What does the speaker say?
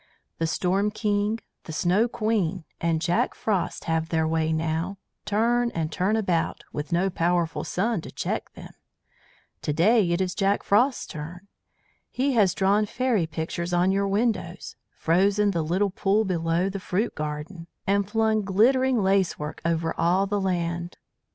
The Storm King, the Snow Queen, and Jack Frost have their way now, turn and turn about, with no powerful sun to check them. To day it is Jack Frost's turn. He has drawn fairy pictures on your windows, frozen the little pool below the fruit garden, and flung glittering lace work over all the land.